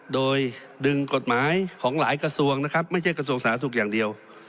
โดยดึงกฎหมายของหลายกระทรวงนะครับไม่ใช่กระทรวงสาธารณสุขอย่างเดียว